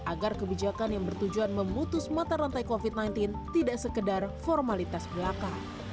agar kebijakan yang bertujuan memutus mata rantai covid sembilan belas tidak sekedar formalitas belaka